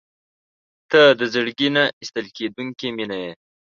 • ته د زړګي نه ایستل کېدونکې مینه یې.